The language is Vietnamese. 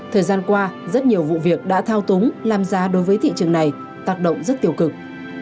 thời gian qua rất nhiều vụ việc đã thao túng làm giá đối với thị trường này tác động rất tiêu cực